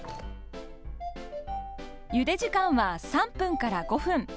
ゆで時間は３分から５分。